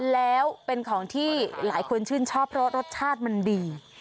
แล้วเป็นของที่หลายคนชื่นชอบเพราะรสชาติมันดี